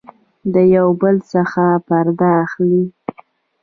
د يو بل څخه پرده اخلي